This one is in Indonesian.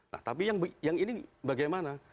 nah tapi yang ini bagaimana